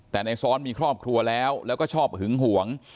แต่ในซ้อนมีครอบครัวแล้วแล้วก็ชอบหึงหวง